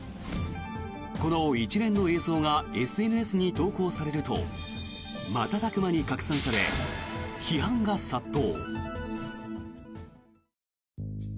この一連の映像がＳＮＳに投稿されると瞬く間に拡散され批判が殺到。